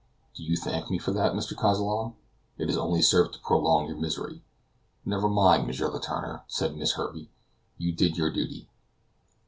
"Do you thank me for that, Mr. Kazallon?" he said; "it has only served to prolong your misery." "Never mind, M. Letourneur," said Miss Herbey; "you did your duty."